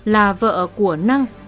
là vợ của năng